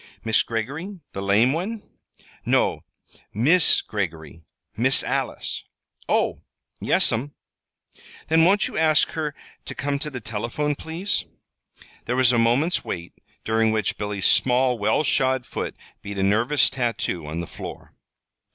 "Mis' Greggory, the lame one?" "No; Miss Greggory Miss Alice." "Oh! Yes'm." "Then won't you ask her to come to the telephone, please." There was a moment's wait, during which Billy's small, well shod foot beat a nervous tattoo on the floor.